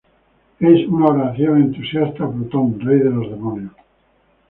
Es ""una oración entusiasta a Plutón, rey de los demonios"".